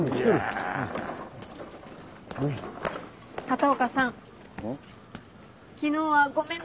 片岡さん